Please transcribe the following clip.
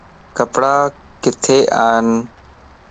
ڪپڙا ڪٿي ان